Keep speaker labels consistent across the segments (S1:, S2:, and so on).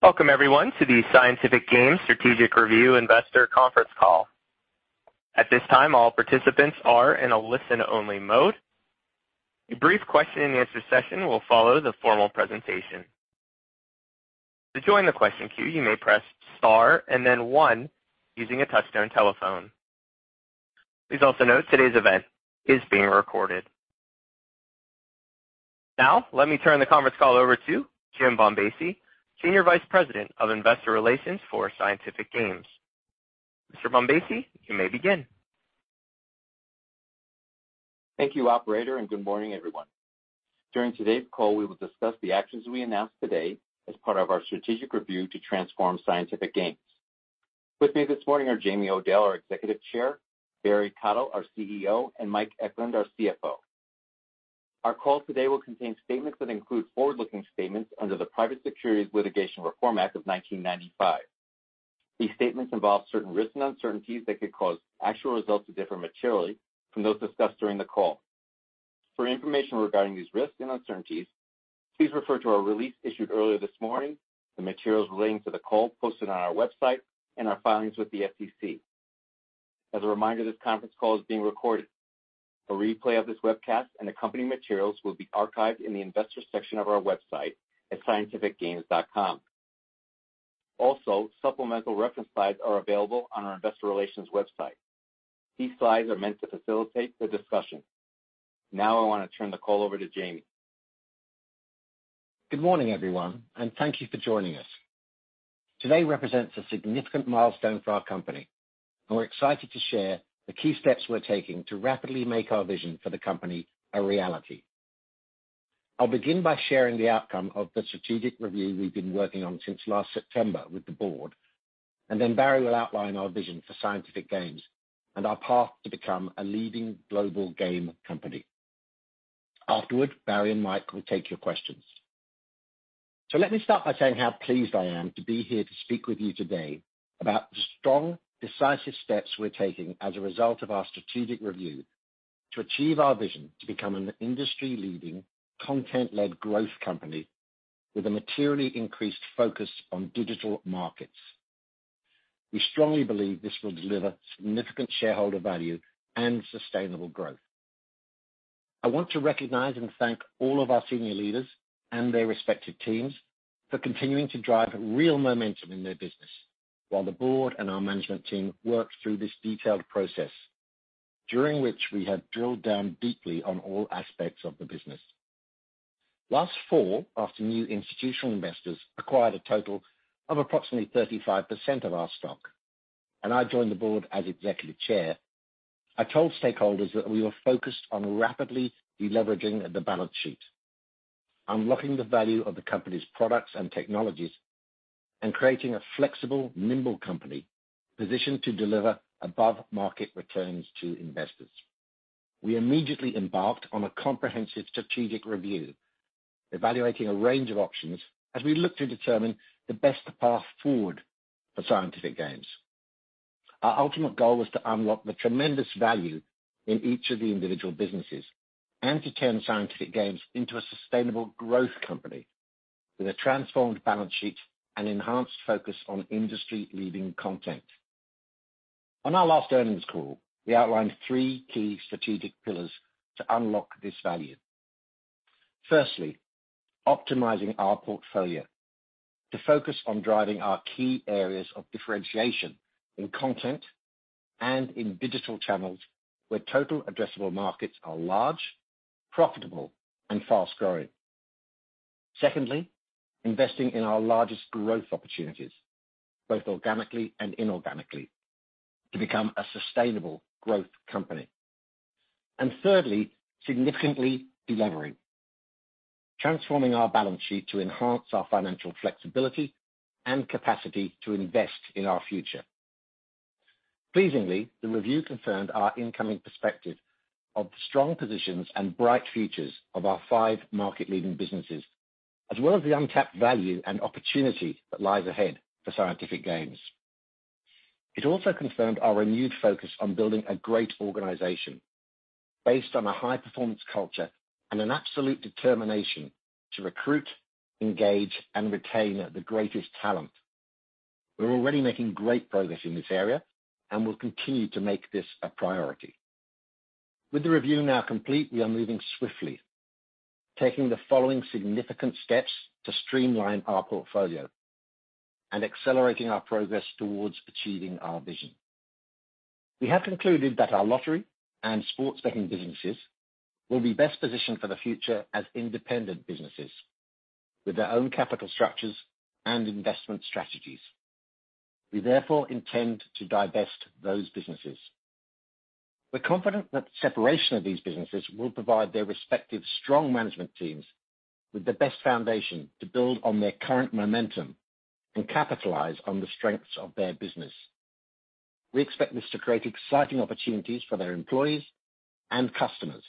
S1: Welcome everyone to the Scientific Games Strategic Review Investor Conference Call. At this time, all participants are in a listen-only mode. A brief question-and-answer session will follow the formal presentation. To join the question queue, you may press Star and then one using a touchtone telephone. Please also note today's event is being recorded. Now, let me turn the conference call over to Jim Bombassei, Senior Vice President of Investor Relations for Scientific Games. Mr. Bombassei, you may begin.
S2: Thank you, operator, and good morning, everyone. During today's call, we will discuss the actions we announced today as part of our strategic review to transform Scientific Games. With me this morning are Jamie Odell, our Executive Chair, Barry Cottle, our CEO, and Mike Eklund, our CFO. Our call today will contain statements that include forward-looking statements under the Private Securities Litigation Reform Act of 1995. These statements involve certain risks and uncertainties that could cause actual results to differ materially from those discussed during the call. For information regarding these risks and uncertainties, please refer to our release issued earlier this morning, the materials relating to the call posted on our website, and our filings with the SEC. As a reminder, this conference call is being recorded. A replay of this webcast and accompanying materials will be archived in the Investors section of our website at scientificgames.com. Also, supplemental reference slides are available on our investor relations website. These slides are meant to facilitate the discussion. Now, I want to turn the call over to Jamie.
S3: Good morning, everyone, and thank you for joining us. Today represents a significant milestone for our company. We're excited to share the key steps we're taking to rapidly make our vision for the company a reality. I'll begin by sharing the outcome of the strategic review we've been working on since last September with the board, and then Barry will outline our vision for Scientific Games and our path to become a leading global game company. Afterward, Barry and Mike will take your questions. So let me start by saying how pleased I am to be here to speak with you today about the strong, decisive steps we're taking as a result of our strategic review to achieve our vision to become an industry-leading, content-led growth company with a materially increased focus on digital markets. We strongly believe this will delever significant shareholder value and sustainable growth. I want to recognize and thank all of our senior leaders and their respective teams for continuing to drive real momentum in their business while the board and our management team worked through this detailed process, during which we have drilled down deeply on all aspects of the business. Last fall, after new institutional investors acquired a total of approximately 35% of our stock, and I joined the board as Executive Chair, I told stakeholders that we were focused on rapidly deleveraging the balance sheet, unlocking the value of the company's products and technologies, and creating a flexible, nimble company positioned to deliver above-market returns to investors. We immediately embarked on a comprehensive strategic review, evaluating a range of options as we looked to determine the best path forward for Scientific Games. Our ultimate goal was to unlock the tremendous value in each of the individual businesses and to turn Scientific Games into a sustainable growth company with a transformed balance sheet and enhanced focus on industry-leading content. On our last earnings call, we outlined three key strategic pillars to unlock this value. Firstly, optimizing our portfolio to focus on driving our key areas of differentiation in content and in digital channels where total addressable markets are large, profitable, and fast-growing. Secondly, investing in our largest growth opportunities, both organically and inorganically, to become a sustainable growth company. And thirdly, significantly delevering, transforming our balance sheet to enhance our financial flexibility and capacity to invest in our future. Pleasingly, the review confirmed our incoming perspective of the strong positions and bright futures of our five market-leading businesses, as well as the untapped value and opportunity that lies ahead for Scientific Games. It also confirmed our renewed focus on building a great organization based on a high-performance culture and an absolute determination to recruit, engage, and retain the greatest talent. We're already making great progress in this area and will continue to make this a priority. With the review now complete, we are moving swiftly, taking the following significant steps to streamline our portfolio and accelerating our progress towards achieving our vision. We have concluded that our lottery and sports betting businesses will be best positioned for the future as independent businesses with their own capital structures and investment strategies. We therefore intend to divest those businesses. We're confident that separation of these businesses will provide their respective strong management teams with the best foundation to build on their current momentum and capitalize on the strengths of their business. We expect this to create exciting opportunities for their employees and customers.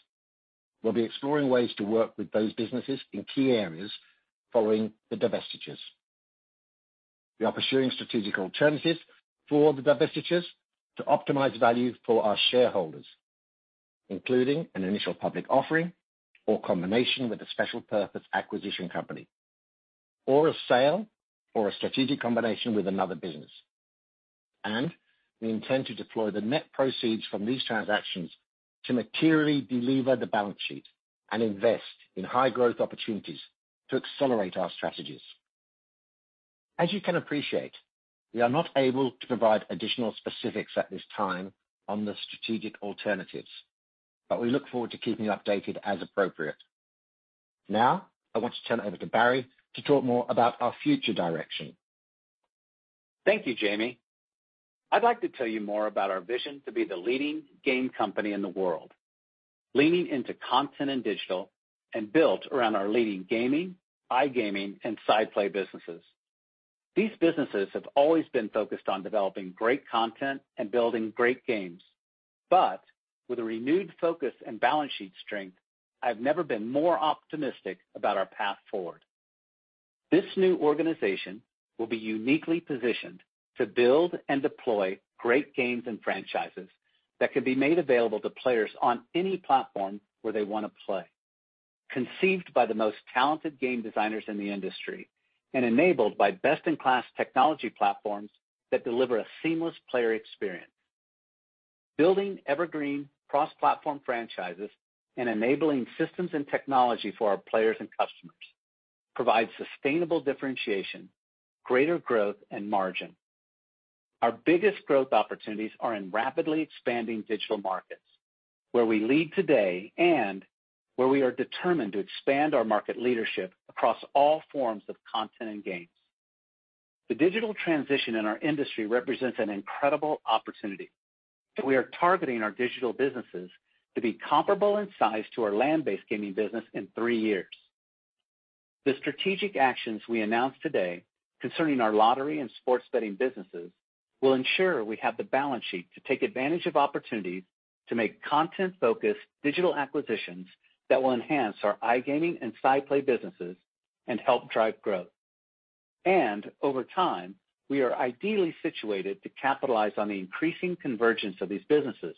S3: We'll be exploring ways to work with those businesses in key areas following the divestitures. We are pursuing strategic alternatives for the divestitures to optimize value for our shareholders, including an initial public offering or combination with a special purpose acquisition company, or a sale, or a strategic combination with another business. And we intend to deploy the net proceeds from these transactions to materially delever the balance sheet and invest in high-growth opportunities to accelerate our strategies. As you can appreciate, we are not able to provide additional specifics at this time on the strategic alternatives, but we look forward to keeping you updated as appropriate. Now, I want to turn it over to Barry to talk more about our future direction.
S4: Thank you, Jamie. I'd like to tell you more about our vision to be the leading game company in the world, leaning into content and digital, and built around our leading gaming, iGaming, and Sideplay businesses. These businesses have always been focused on developing great content and building great games, but with a renewed focus and balance sheet strength, I've never been more optimistic about our path forward. This new organization will be uniquely positioned to build and deploy great games and franchises that can be made available to players on any platform where they want to play, conceived by the most talented game designers in the industry, and enabled by best-in-class technology platforms that deliver a seamless player experience. Building evergreen, cross-platform franchises and enabling systems and technology for our players and customers provides sustainable differentiation, greater growth, and margin. Our biggest growth opportunities are in rapidly expanding digital markets, where we lead today and where we are determined to expand our market leadership across all forms of content and games. The digital transition in our industry represents an incredible opportunity, and we are targeting our digital businesses to be comparable in size to our land-based gaming business in three years. The strategic actions we announced today concerning our lottery and sports betting businesses will ensure we have the balance sheet to take advantage of opportunities to make content-focused digital acquisitions that will enhance our iGaming and Sideplay businesses and help drive growth. And over time, we are ideally situated to capitalize on the increasing convergence of these businesses,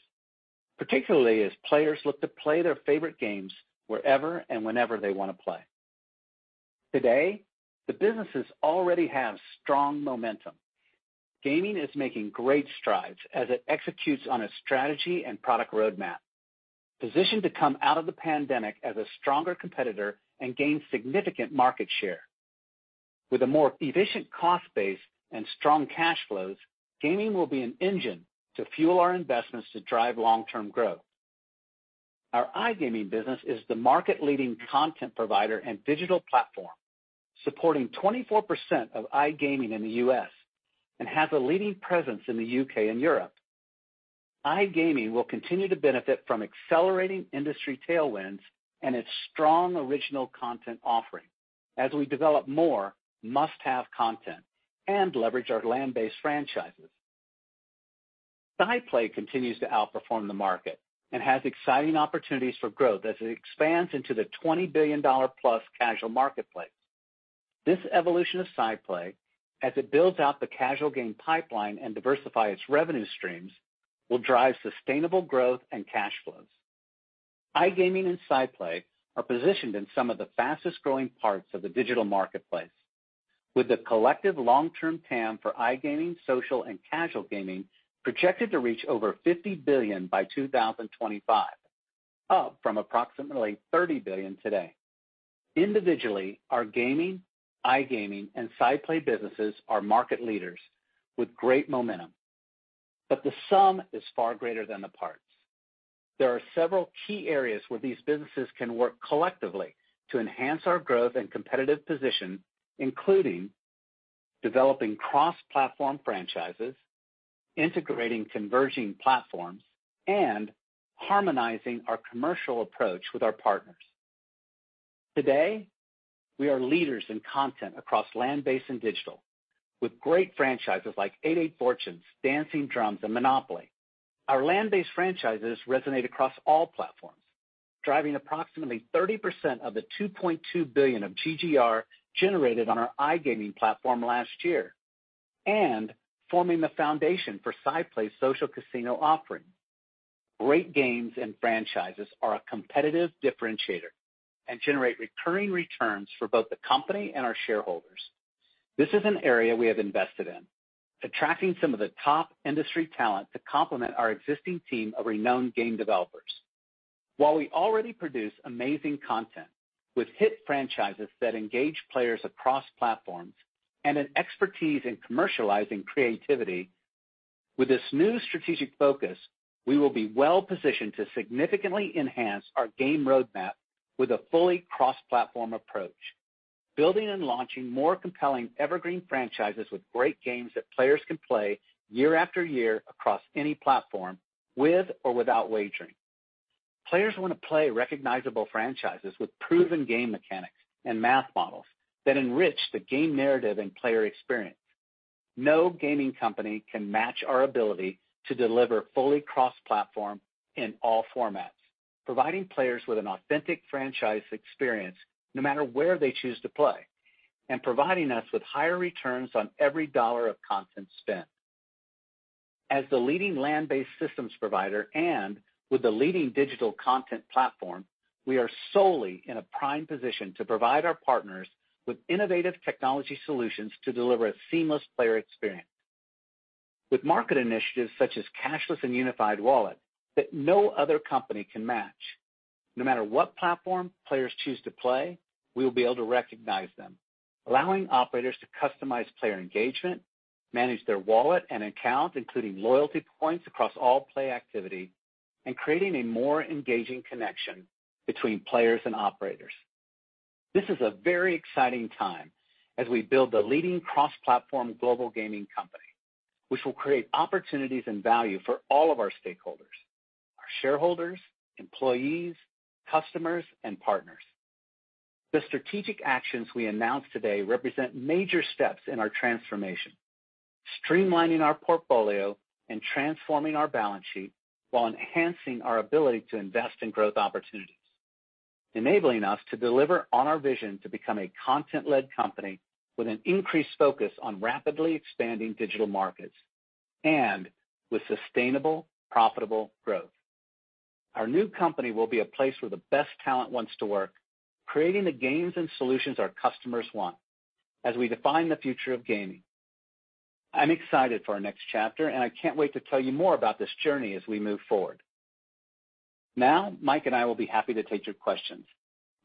S4: particularly as players look to play their favorite games wherever and whenever they want to play. Today, the businesses already have strong momentum. Gaming is making great strides as it executes on a strategy and product roadmap, positioned to come out of the pandemic as a stronger competitor and gain significant market share. With a more efficient cost base and strong cash flows, gaming will be an engine to fuel our investments to drive long-term growth. Our iGaming business is the market-leading content provider and digital platform, supporting 24% of iGaming in the U.S., and has a leading presence in the U.K. and Europe. iGaming will continue to benefit from accelerating industry tailwinds and its strong original content offering as we develop more must-have content and leverage our land-based franchises. Sideplay continues to outperform the market and has exciting opportunities for growth as it expands into the $20 billion-plus casual marketplace. This evolution of Sideplay, as it builds out the casual game pipeline and diversify its revenue streams, will drive sustainable growth and cash flows. iGaming and Sideplay are positioned in some of the fastest-growing parts of the digital marketplace, with the collective long-term TAM for iGaming, social, and casual gaming projected to reach over fifty billion by two thousand and twenty-five, up from approximately thirty billion today. Individually, our gaming, iGaming, and Sideplay businesses are market leaders with great momentum, but the sum is far greater than the parts. There are several key areas where these businesses can work collectively to enhance our growth and competitive position, including developing cross-platform franchises, integrating converging platforms, and harmonizing our commercial approach with our partners. Today, we are leaders in content across land-based and digital, with great franchises like 88 Fortunes, Dancing Drums, and Monopoly. Our land-based franchises resonate across all platforms, driving approximately 30% of the $2.2 billion of GGR generated on our iGaming platform last year, and forming the foundation for Sideplay's social casino offering. Great games and franchises are a competitive differentiator and generate recurring returns for both the company and our shareholders. This is an area we have invested in, attracting some of the top industry talent to complement our existing team of renowned game developers. While we already produce amazing content with hit franchises that engage players across platforms and an expertise in commercializing creativity, with this new strategic focus, we will be well-positioned to significantly enhance our game roadmap with a fully cross-platform approach, building and launching more compelling evergreen franchises with great games that players can play year after year across any platform, with or without wagering. Players want to play recognizable franchises with proven game mechanics and math models that enrich the game narrative and player experience. No gaming company can match our ability to deliver fully cross-platform in all formats, providing players with an authentic franchise experience, no matter where they choose to play.... and providing us with higher returns on every dollar of content spent. As the leading land-based systems provider and with the leading digital content platform, we are solely in a prime position to provide our partners with innovative technology solutions to deliver a seamless player experience. With market initiatives such as cashless and unified wallet, that no other company can match, no matter what platform players choose to play, we will be able to recognize them, allowing operators to customize player engagement, manage their wallet and account, including loyalty points across all play activity, and creating a more engaging connection between players and operators. This is a very exciting time as we build the leading cross-platform global gaming company, which will create opportunities and value for all of our stakeholders, our shareholders, employees, customers, and partners. The strategic actions we announced today represent major steps in our transformation, streamlining our portfolio and transforming our balance sheet while enhancing our ability to invest in growth opportunities, enabling us to deliver on our vision to become a content-led company with an increased focus on rapidly expanding digital markets and with sustainable, profitable growth. Our new company will be a place where the best talent wants to work, creating the games and solutions our customers want as we define the future of gaming. I'm excited for our next chapter, and I can't wait to tell you more about this journey as we move forward. Now, Mike and I will be happy to take your questions.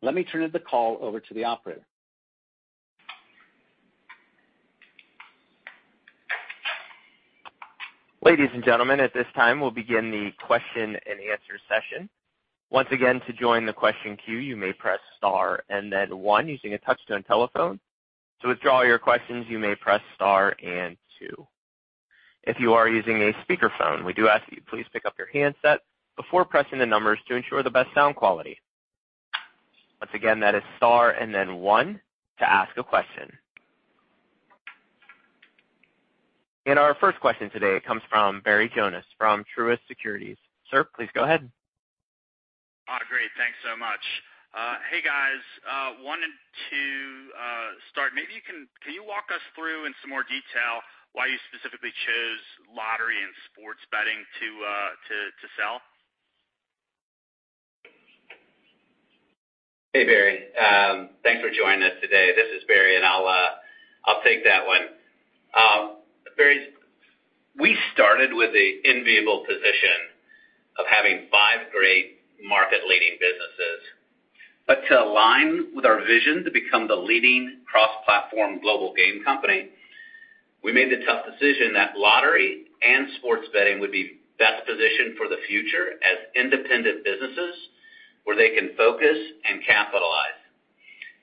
S4: Let me turn the call over to the operator.
S1: Ladies and gentlemen, at this time, we'll begin the question and answer session. Once again, to join the question queue, you may press star and then one using a touchtone telephone. To withdraw your questions, you may press star and two. If you are using a speakerphone, we do ask that you please pick up your handset before pressing the numbers to ensure the best sound quality. Once again, that is star and then one to ask a question. And our first question today comes from Barry Jonas from Truist Securities. Sir, please go ahead.
S5: Oh, great. Thanks so much. Hey, guys, wanted to start. Maybe you can walk us through in some more detail why you specifically chose lottery and sports betting to sell?
S4: Hey, Barry. Thanks for joining us today. This is Barry, and I'll take that one. Barry, we started with the enviable position of having five great market-leading businesses, but to align with our vision to become the leading cross-platform global game company, we made the tough decision that lottery and sports betting would be best positioned for the future as independent businesses where they can focus and capitalize,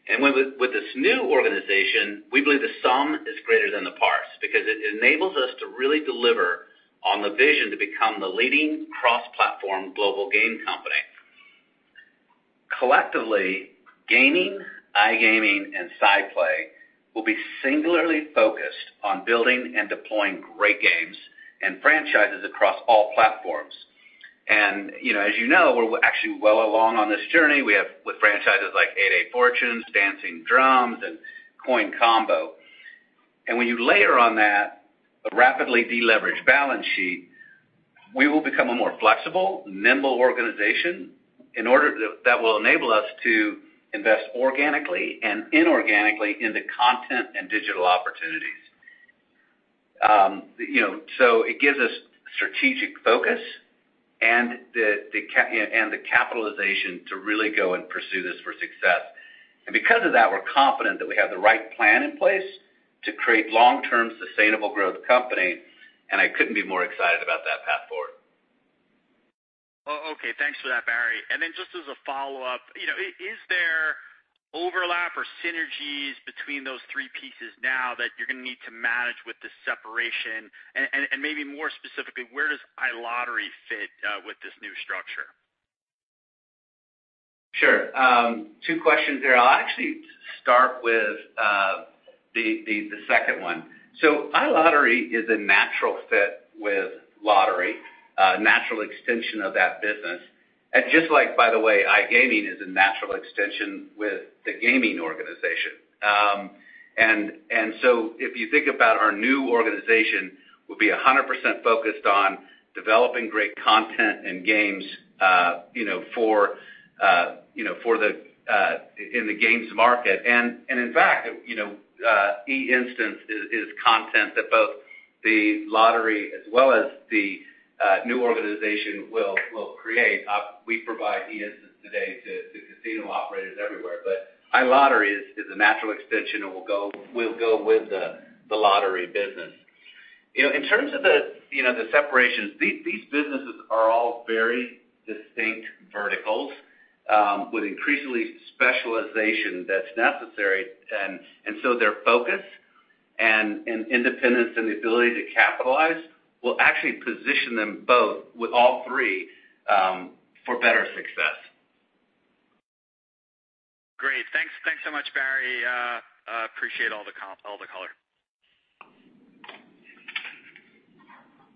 S4: and with this new organization, we believe the sum is greater than the parts, because it enables us to really deliver on the vision to become the leading cross-platform global game company. Collectively, gaming, iGaming, and Sideplay will be singularly focused on building and deploying great games and franchises across all platforms, you know, as you know, we're actually well along on this journey. We have with franchises like 88 Fortunes, Dancing Drums, and Coin Combo. And when you layer on that, a rapidly leveraged balance sheet, we will become a more flexible, nimble organization in order to that will enable us to invest organically and inorganically in the content and digital opportunities. You know, so it gives us strategic focus and the capitalization to really go and pursue this for success. And because of that, we're confident that we have the right plan in place to create long-term, sustainable growth company, and I couldn't be more excited about that path forward.
S5: Oh, okay. Thanks for that, Barry. Then just as a follow-up, you know, is there overlap or synergies between those three pieces now that you're going to need to manage with the separation? And maybe more specifically, where does iLottery fit with this new structure?
S4: Sure. Two questions there. I'll actually start with the second one, so iLottery is a natural fit with lottery, a natural extension of that business, and just like, by the way, iGaming is a natural extension with the gaming organization, and so if you think about our new organization, we'll be 100% focused on developing great content and games, you know, for the in the games market, and in fact, you know, eInstant is content that both the lottery as well as the new organization will create. We provide eInstant today to casino operators everywhere, but iLottery is a natural extension and will go with the lottery business. You know, in terms of the, you know, the separations, these businesses are all very distinct verticals with increasingly specialization that's necessary, and so their focus and independence and the ability to capitalize will actually position them both with all three for better success.
S5: Great. Thanks, thanks so much, Barry. I appreciate all the color....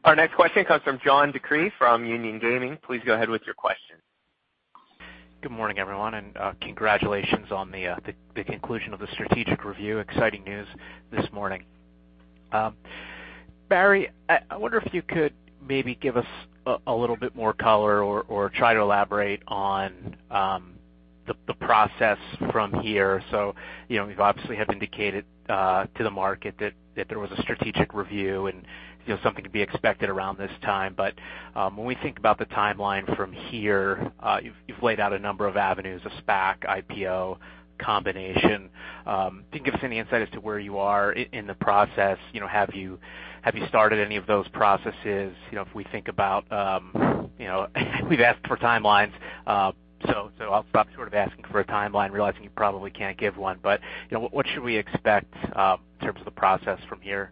S1: Our next question comes from John DeCree from Union Gaming. Please go ahead with your question.
S6: Good morning, everyone, and congratulations on the conclusion of the strategic review. Exciting news this morning. Barry, I wonder if you could maybe give us a little bit more color or try to elaborate on the process from here. So, you know, you've obviously have indicated to the market that there was a strategic review and, you know, something to be expected around this time. But when we think about the timeline from here, you've laid out a number of avenues, a SPAC, IPO, combination. Can you give us any insight as to where you are in the process? You know, have you started any of those processes? You know, if we think about, you know, we've asked for timelines, so I'm sort of asking for a timeline, realizing you probably can't give one. But, you know, what should we expect, in terms of the process from here?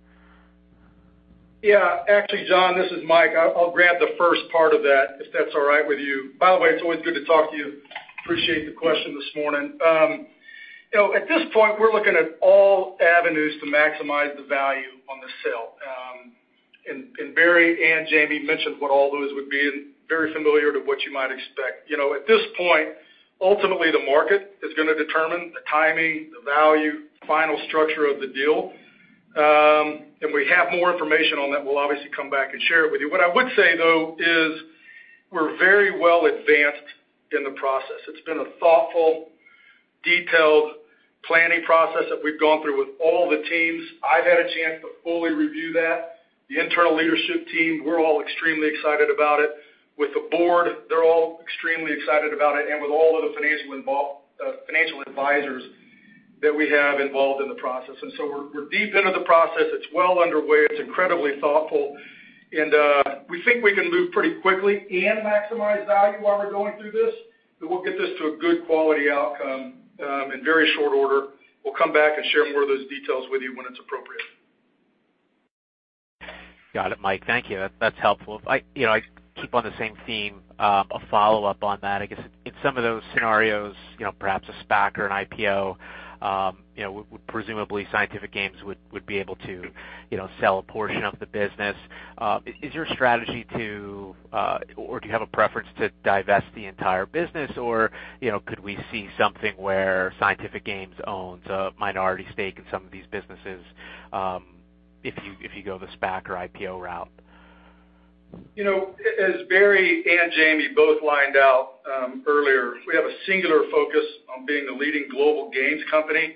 S7: Yeah, actually, John, this is Mike. I'll grab the first part of that, if that's all right with you. By the way, it's always good to talk to you. Appreciate the question this morning. You know, at this point, we're looking at all avenues to maximize the value on the sale, and Barry and Jamie mentioned what all those would be, and very familiar to what you might expect. You know, at this point, ultimately, the market is going to determine the timing, the value, final structure of the deal. If we have more information on that, we'll obviously come back and share it with you. What I would say, though, is we're very well advanced in the process. It's been a thoughtful, detailed planning process that we've gone through with all the teams. I've had a chance to fully review that. The internal leadership team, we're all extremely excited about it. With the board, they're all extremely excited about it, and with all of the financial advisors that we have involved in the process, so we're deep into the process. It's well underway. It's incredibly thoughtful, and we think we can move pretty quickly and maximize value while we're going through this, but we'll get this to a good quality outcome in very short order. We'll come back and share more of those details with you when it's appropriate.
S6: Got it, Mike. Thank you. That's, that's helpful. I, you know, I keep on the same theme, a follow-up on that. I guess in some of those scenarios, you know, perhaps a SPAC or an IPO, you know, presumably Scientific Games would, would be able to, you know, sell a portion of the business. Is your strategy to, or do you have a preference to divest the entire business? Or, you know, could we see something where Scientific Games owns a minority stake in some of these businesses, if you, if you go the SPAC or IPO route?
S7: You know, as Barry and Jamie both laid out earlier, we have a singular focus on being the leading global games company,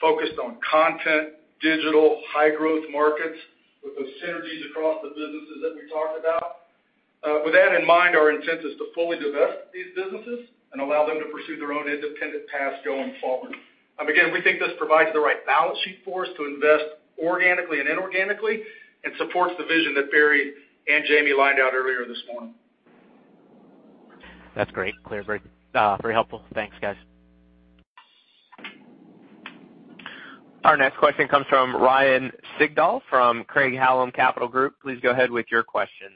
S7: focused on content, digital, high-growth markets with those synergies across the businesses that we talked about. With that in mind, our intent is to fully divest these businesses and allow them to pursue their own independent paths going forward. Again, we think this provides the right balance sheet for us to invest organically and inorganically, and supports the vision that Barry and Jamie laid out earlier this morning.
S6: That's great. Clear, very, very helpful. Thanks, guys.
S1: Our next question comes from Ryan Sigdahl from Craig-Hallum Capital Group. Please go ahead with your question.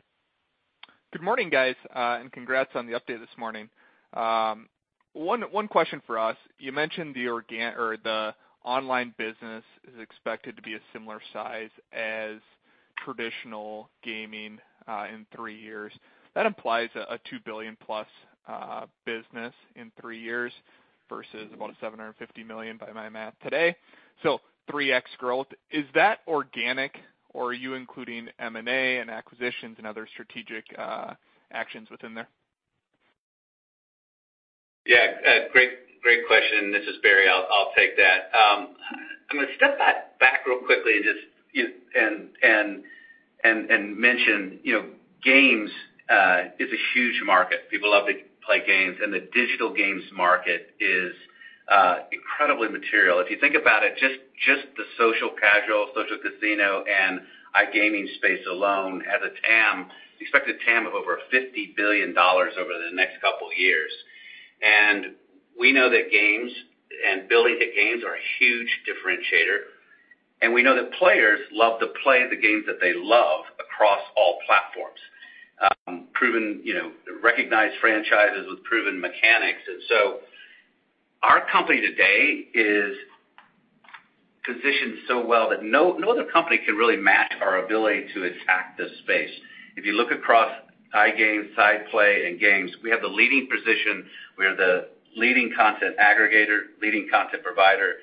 S8: Good morning, guys, and congrats on the update this morning. One question for us. You mentioned the or the online business is expected to be a similar size as traditional gaming in three years. That implies a $2 billion-plus business in three years versus about $750 million, by my math today. So 3X growth. Is that organic, or are you including M&A and acquisitions and other strategic actions within there?
S4: Yeah, great, great question. This is Barry. I'll take that. I'm gonna step back real quickly and just mention, you know, games is a huge market. People love to play games, and the digital games market is incredibly material. If you think about it, the social casual, social casino, and iGaming space alone has a TAM, expected TAM of over $50 billion over the next couple of years. And we know that games and building the games are a huge differentiator, and we know that players love to play the games that they love across all platforms. Proven, you know, recognized franchises with proven mechanics. And so our company today is positioned so well that no other company can really match our ability to attack this space. If you look across iGaming, Sideplay, and Games, we have the leading position. We are the leading content aggregator, leading content provider,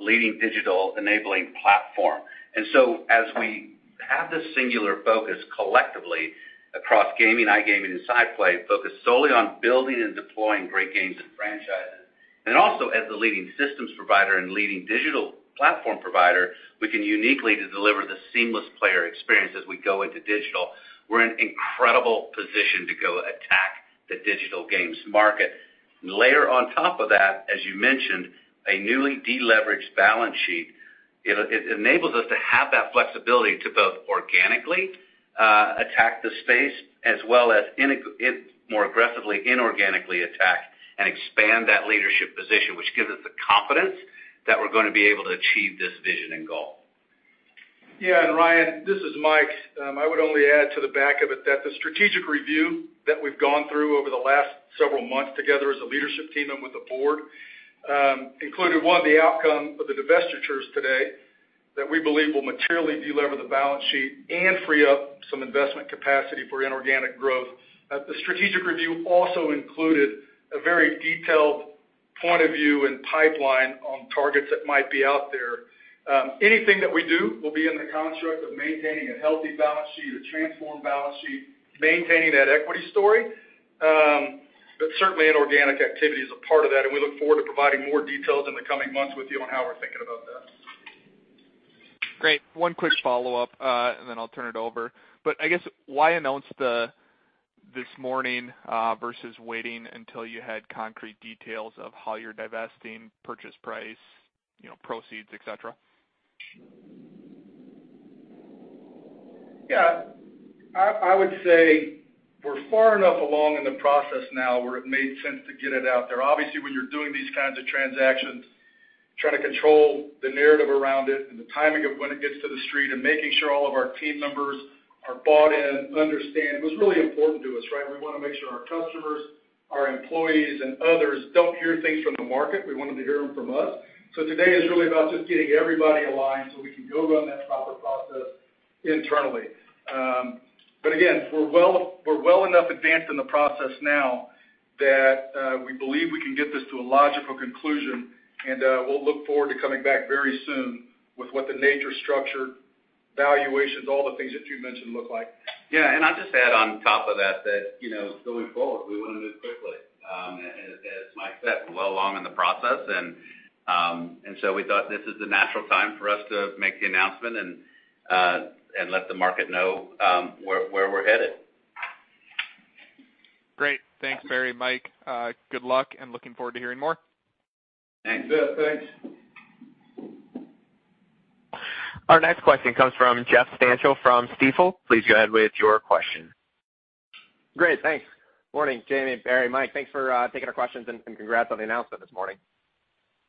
S4: leading digital enabling platform. And so, as we have this singular focus collectively across gaming, iGaming, and Sideplay, focused solely on building and deploying great games and franchises, and also as the leading systems provider and leading digital platform provider, we can uniquely to deliver the seamless player experience as we go into digital. We're in incredible position to go attack the digital games market. And layer on top of that, as you mentioned, a newly deleveraged balance sheet. It enables us to have that flexibility to both organically attack the space, as well as more aggressively inorganically attack and expand that leadership position, which gives us the confidence that we're going to be able to achieve this vision and goal.
S7: Yeah, and Ryan, this is Mike. I would only add to the back of it that the strategic review that we've gone through over the last several months together as a leadership team and with the board included one of the outcome of the divestitures today, that we believe will materially delever the balance sheet and free up some investment capacity for inorganic growth. The strategic review also included a very detailed point of view and pipeline on targets that might be out there. Anything that we do will be in the construct of maintaining a healthy balance sheet, a transformed balance sheet, maintaining that equity story. But certainly, inorganic activity is a part of that, and we look forward to providing more details in the coming months with you on how we're thinking about that.
S8: Great. One quick follow-up, and then I'll turn it over. But I guess, why announce this morning versus waiting until you had concrete details of how you're divesting purchase price, you know, proceeds, et cetera?
S7: Yeah, I would say we're far enough along in the process now, where it made sense to get it out there. Obviously, when you're doing these kinds of transactions, try to control the narrative around it and the timing of when it gets to the street, and making sure all of our team members are bought in, understand. It was really important to us, right? We want to make sure our customers, our employees, and others don't hear things from the market. We want them to hear them from us. So today is really about just getting everybody aligned, so we can go run that proper process internally. But again, we're well enough advanced in the process now that we believe we can get this to a logical conclusion. We'll look forward to coming back very soon with what the nature, structure, valuations, all the things that you mentioned, look like.
S4: Yeah, and I'll just add on top of that, that, you know, going forward, we want to move quickly. As Mike said, well along in the process and so we thought this is the natural time for us to make the announcement and let the market know where we're headed.
S8: Great. Thanks, Barry, Mike. Good luck, and looking forward to hearing more.
S4: Thanks.
S7: Yeah, thanks.
S1: Our next question comes from Jeff Stantial from Stifel. Please go ahead with your question.
S9: Great, thanks. Morning, Jamie, Barry, Mike, thanks for taking our questions, and congrats on the announcement this morning.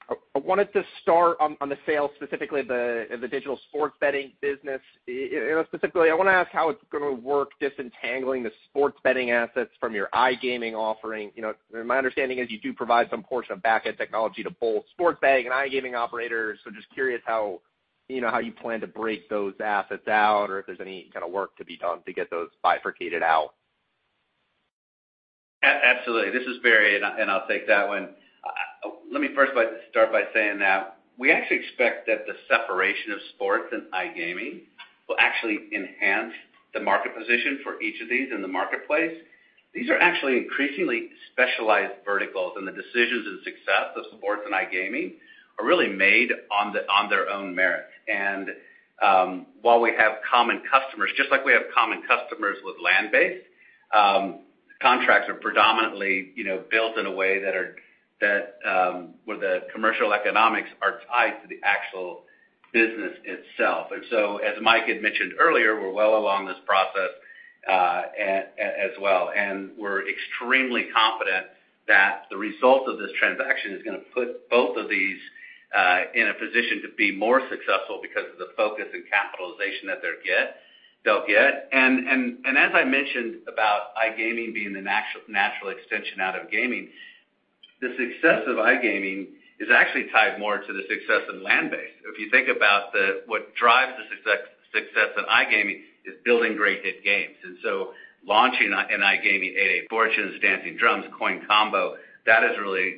S9: I wanted to start on the sale, specifically the digital sports betting business. You know, specifically, I want to ask how it's going to work, disentangling the sports betting assets from your iGaming offering. You know, my understanding is you do provide some portion of backend technology to both sports betting and iGaming operators. So just curious how, you know, how you plan to break those assets out, or if there's any kind of work to be done to get those bifurcated out?
S4: Absolutely. This is Barry, and I'll take that one. Let me first start by saying that we actually expect that the separation of sports and iGaming will actually enhance the market position for each of these in the marketplace. These are actually increasingly specialized verticals, and the decisions and success of sports and iGaming are really made on their own merits. While we have common customers, just like we have common customers with land-based, contracts are predominantly, you know, built in a way that where the commercial economics are tied to the actual business itself. And so, as Mike had mentioned earlier, we're well along this process as well, and we're extremely confident that the result of this transaction is going to put both of these in a position to be more successful because of the focus and capitalization that they'll get. And as I mentioned about iGaming being the natural extension out of gaming, the success of iGaming is actually tied more to the success of land-based. If you think about what drives the success in iGaming is building great hit games. And so launching in iGaming, 88 Fortunes, Dancing Drums, Coin Combo, that is really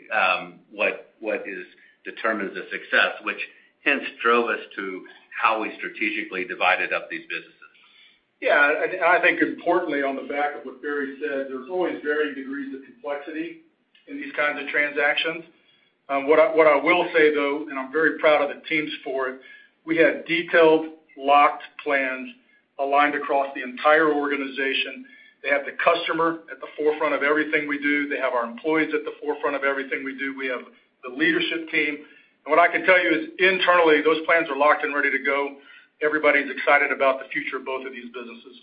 S4: what determines the success, which hence drove us to how we strategically divided up these businesses.
S7: Yeah, I think importantly, on the back of what Barry said, there's always varying degrees of complexity in these kinds of transactions. What I will say, though, and I'm very proud of the teams for it, we have detailed, locked plans aligned across the entire organization. They have the customer at the forefront of everything we do. They have our employees at the forefront of everything we do. We have the leadership team. What I can tell you is internally, those plans are locked and ready to go. Everybody's excited about the future of both of these businesses.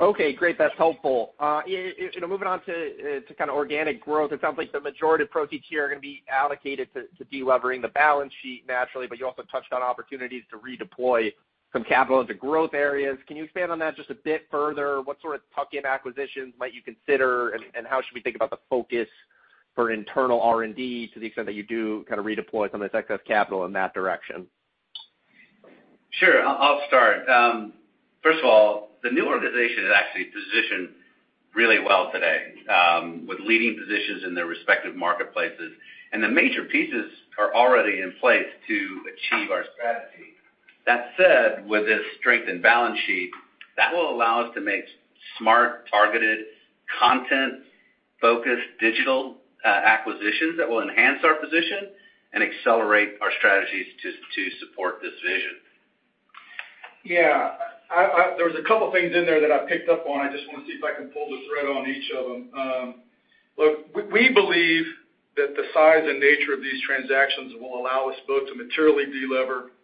S9: Okay, great. That's helpful. You know, moving on to, to kind of organic growth, it sounds like the majority of proceeds here are going to be allocated to, to delevering the balance sheet naturally, but you also touched on opportunities to redeploy some capital into growth areas. Can you expand on that just a bit further? What sort of tuck-in acquisitions might you consider, and, and how should we think about the focus for internal R&D to the extent that you do kind of redeploy some of this excess capital in that direction?
S4: Sure. I'll start. First of all, the new organization is actually positioned really well today, with leading positions in their respective marketplaces, and the major pieces are already in place to achieve our strategy. That said, with this strengthened balance sheet, that will allow us to make smart, targeted, content-focused digital acquisitions that will enhance our position and accelerate our strategies to support this vision.
S7: Yeah, there was a couple things in there that I picked up on. I just want to see if I can pull the thread on each of them. Look, we believe that the size and nature of these transactions will allow us both to materially delever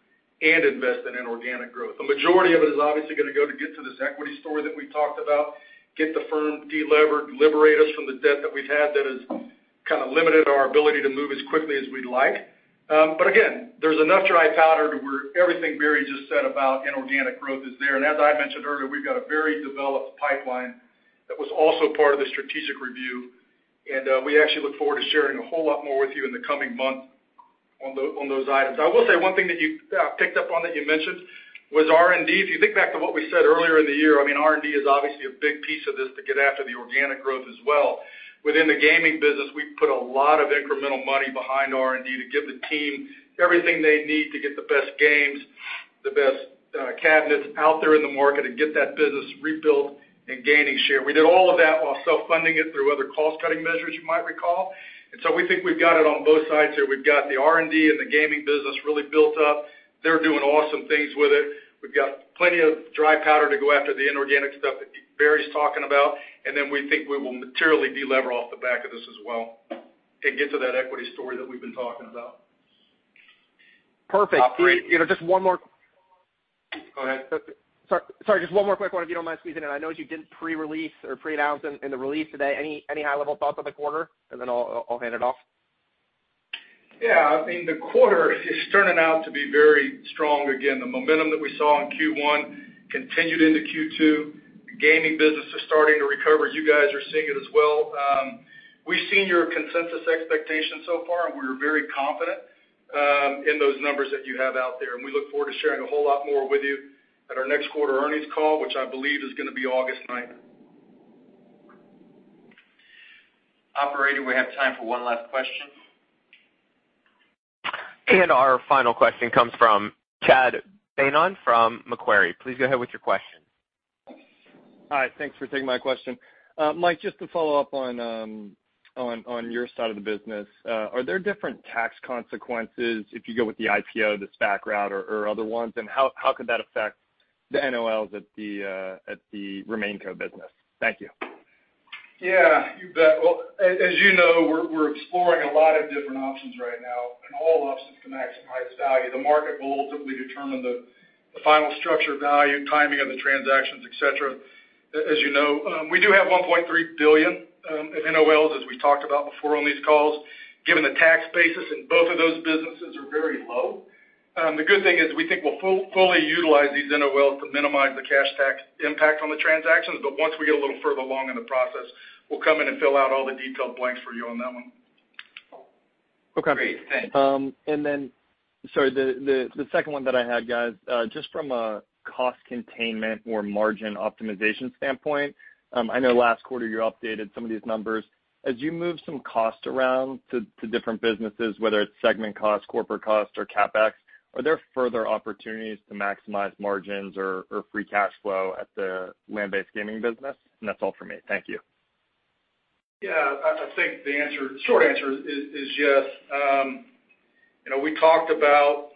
S7: and invest in inorganic growth. The majority of it is obviously going to go to get to this equity story that we talked about, get the firm delevered, liberate us from the debt that we've had that has kind of limited our ability to move as quickly as we'd like. But again, there's enough dry powder to where everything Barry just said about inorganic growth is there. And as I mentioned earlier, we've got a very developed pipeline that was also part of the strategic review, and we actually look forward to sharing a whole lot more with you in the coming months on those items. I will say one thing that you picked up on, that you mentioned was R&D. If you think back to what we said earlier in the year, I mean, R&D is obviously a big piece of this to get after the organic growth as well. Within the gaming business, we've put a lot of incremental money behind R&D to give the team everything they need to get the best games, the best cabinets out there in the market and get that business rebuilt and gaining share. We did all of that while self-funding it through other cost-cutting measures, you might recall. And so we think we've got it on both sides here. We've got the R&D and the gaming business really built up. They're doing awesome things with it. We've got plenty of dry powder to go after the inorganic stuff that Barry's talking about, and then we think we will materially de-lever off the back of this as well, and get to that equity story that we've been talking about.
S4: Perfect.
S7: операtor-
S4: You know, just one more-
S7: Go ahead.
S9: Sorry, just one more quick one, if you don't mind squeezing in. I know you did pre-release or pre-announce in the release today. Any high-level thoughts on the quarter? And then I'll hand it off.
S7: Yeah, I mean, the quarter is turning out to be very strong again. The momentum that we saw in Q1 continued into Q2. The gaming business is starting to recover. You guys are seeing it as well. We've seen your consensus expectations so far, and we're very confident in those numbers that you have out there, and we look forward to sharing a whole lot more with you at our next quarter earnings call, which I believe is going to be August ninth.
S2: Operator, we have time for one last question.
S1: Our final question comes from Chad Beynon from Macquarie. Please go ahead with your question.
S10: Hi, thanks for taking my question. Mike, just to follow up on your side of the business, are there different tax consequences if you go with the IPO, the SPAC route, or other ones? And how could that affect the NOLs at the RemainCo business? Thank you.
S7: Yeah, you bet. Well, as you know, we're exploring a lot of different options right now, and all options can maximize value. The market will ultimately determine the final structure, value, timing of the transactions, et cetera. As you know, we do have $1.3 billion in NOLs, as we've talked about before on these calls. Given the tax basis, and both of those businesses are very low, the good thing is, we think we'll fully utilize these NOLs to minimize the cash tax impact on the transactions, but once we get a little further along in the process, we'll come in and fill out all the detailed blanks for you on that one.
S10: Okay.
S2: Great, thanks.
S10: Sorry, the second one that I had, guys, just from a cost containment or margin optimization standpoint, I know last quarter you updated some of these numbers. As you move some cost around to different businesses, whether it's segment costs, corporate costs, or CapEx, are there further opportunities to maximize margins or free cash flow at the land-based gaming business? And that's all for me. Thank you.
S7: Yeah, I think the answer, short answer is yes. You know, we talked about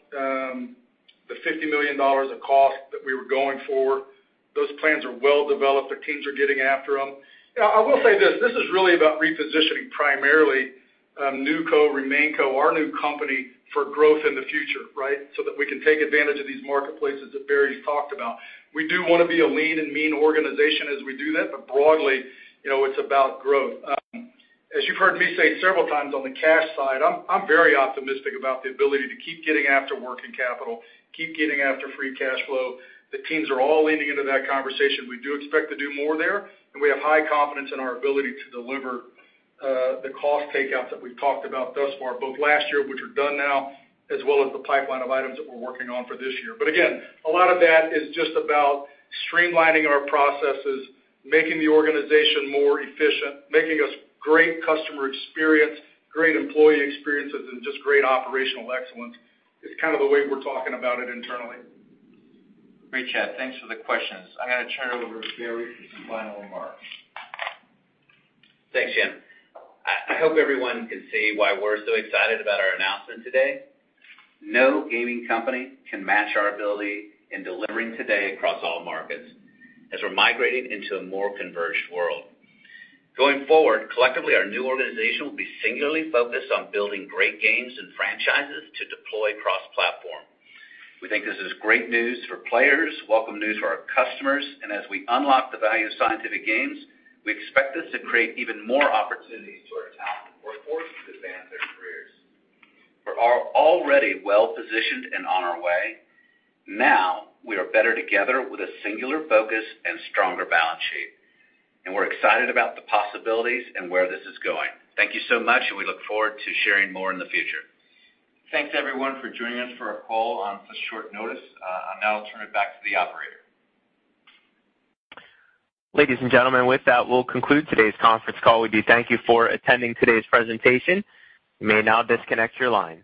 S7: the $50 million of cost that we were going for. Those plans are well developed. The teams are getting after them. You know, I will say this, this is really about repositioning primarily NewCo, RemainCo, our new company, for growth in the future, right? So that we can take advantage of these marketplaces that Barry talked about. We do want to be a lean and mean organization as we do that, but broadly, you know, it's about growth. As you've heard me say several times on the cash side, I'm very optimistic about the ability to keep getting after working capital, keep getting after free cash flow. The teams are all leaning into that conversation. We do expect to do more there, and we have high confidence in our ability to deliver the cost takeouts that we've talked about thus far, both last year, which are done now, as well as the pipeline of items that we're working on for this year. But again, a lot of that is just about streamlining our processes, making the organization more efficient, making us great customer experience, great employee experiences, and just great operational excellence, is kind of the way we're talking about it internally.
S2: Great, Chad. Thanks for the questions. I'm going to turn it over to Barry for some final remarks.
S4: Thanks, Jim. I hope everyone can see why we're so excited about our announcement today. No gaming company can match our ability in delivering today across all markets, as we're migrating into a more converged world. Going forward, collectively, our new organization will be singularly focused on building great games and franchises to deploy cross-platform. We think this is great news for players, welcome news for our customers, and as we unlock the value of Scientific Games, we expect this to create even more opportunities to our talent, workforce to advance their careers. We are already well-positioned and on our way. Now, we are better together with a singular focus and stronger balance sheet, and we're excited about the possibilities and where this is going. Thank you so much, and we look forward to sharing more in the future.
S2: Thanks, everyone, for joining us for our call on such short notice. I'll now turn it back to the operator.
S1: Ladies and gentlemen, with that, we'll conclude today's conference call. We do thank you for attending today's presentation. You may now disconnect your line.